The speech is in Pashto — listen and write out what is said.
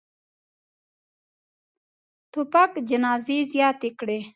توپک جنازې زیاتې کړي.